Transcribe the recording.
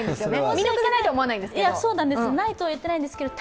魅力がないとは思わないんですけど。